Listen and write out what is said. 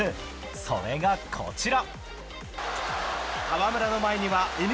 それがこちら。